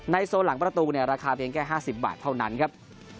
โซนหลังประตูเนี่ยราคาเพียงแค่๕๐บาทเท่านั้นครับ